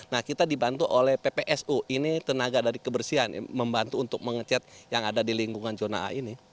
nah kita dibantu oleh ppsu ini tenaga dari kebersihan membantu untuk mengecek yang ada di lingkungan zona a ini